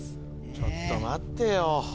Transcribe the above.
ちょっと待ってよ